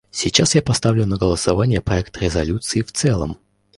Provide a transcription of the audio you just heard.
Сейчас я поставлю на голосование проект резолюции в целом.